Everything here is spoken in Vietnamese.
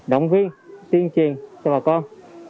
động viên tuyên truyền cho bà con